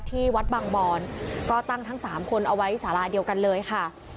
ที่วัดบางบอนก็ตั้งทั้ง๓คนเอาไว้สาราเดียวกันเลยค่ะ